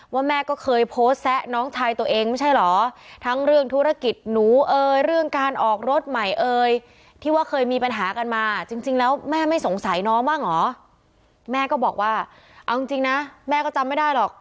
สายน้องบ้างหรอแม่ก็บอกว่าเอาจริงจริงนะแม่ก็จำไม่ได้หรอก